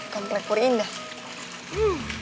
komplek puri indah